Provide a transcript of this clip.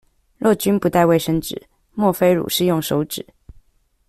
若君不帶衛生紙，莫非汝是用手指